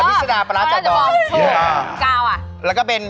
อภิษฎาปราเจียวบอล